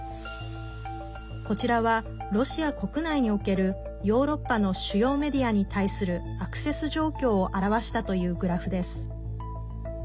こちらは、ロシア国内におけるヨーロッパの主要メディアに対するアクセス状況を表したというグラフです。